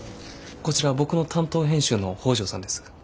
こちら僕の担当編集の北條さんです。